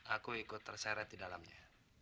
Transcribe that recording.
aku ikut terseret di dalamnya